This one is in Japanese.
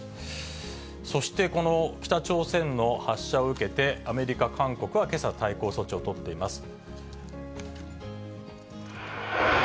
そしてこの北朝鮮の発射を受けて、アメリカ、韓国は、けさ対抗措置を取っています。